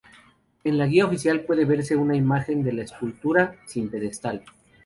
En la guía oficial puede verse una imagen de la escultura, sin pedestal.